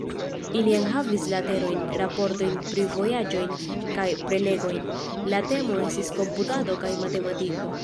Ili enhavis leterojn, raportojn pri vojaĝojn, kaj prelegojn; la temo estis komputado kaj matematiko.